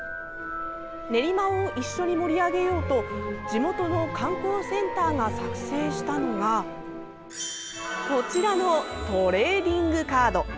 練馬を一緒に盛り上げようと地元の観光センターが作成したのがこちらのトレーディングカード。